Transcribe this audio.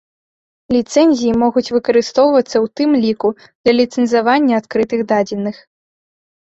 Ліцэнзіі могуць выкарыстоўвацца ў тым ліку для ліцэнзавання адкрытых дадзеных.